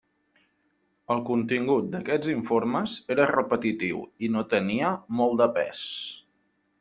El contingut d'aquests informes era repetitiu i no tenia molt de pes.